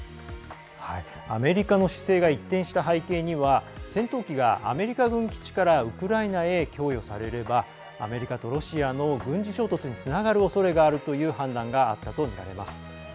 アメリカの姿勢が一転した背景には戦闘機がアメリカ軍基地からウクライナへ供与されればアメリカとロシアの軍事衝突につながるおそれがあるという判断があったとみられます。